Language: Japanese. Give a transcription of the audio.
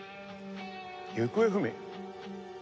行方不明？